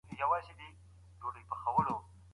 هغه د ولس د ملاتړ غوښتنه وکړه.